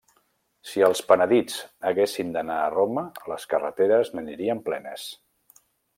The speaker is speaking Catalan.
Si els penedits haguessin d'anar a Roma, les carreteres n'anirien plenes.